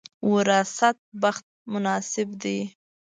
وراثت بخت مناسب دی.